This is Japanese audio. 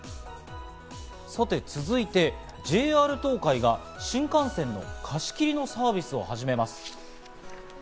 さて続いて、ＪＲ東海が新幹線の貸し切りのサービスを始めます。